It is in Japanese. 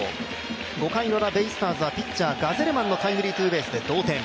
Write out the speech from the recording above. ５回ウラベイスターズはピッチャー・ガゼルマンのタイムリーで同点。